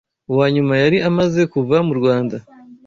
uwa nyuma yari amaze kuva mu Rwanda